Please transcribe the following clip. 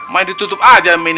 main ditutup aja minimalnya